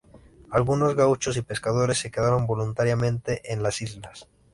Algunos gauchos y pescadores se quedaron voluntariamente en las islas.